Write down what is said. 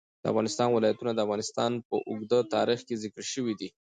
د افغانستان ولايتونه د افغانستان په اوږده تاریخ کې ذکر شوی دی.